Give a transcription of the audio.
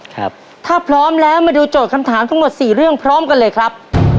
ถ้าพร้อมแล้วมาดูโจทย์คำถามทั้งหมดสี่เรื่องพร้อมกันเลยครับ